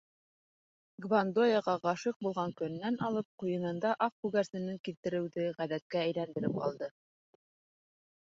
Гвандояға ғашиҡ булған көнөнән алып ҡуйынында аҡ күгәрсенен килтереүҙе ғәҙәткә әйләндереп алды.